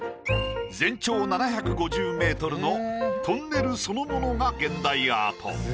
全長７５０メートルのトンネルそのものが現代アート。